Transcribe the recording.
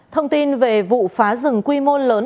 thông tin về vụ phá rừng quy mô lớn